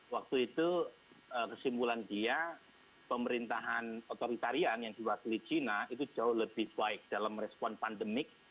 waktu itu kesimpulan dia pemerintahan otoritarian yang diwakili china itu jauh lebih baik dalam respon pandemik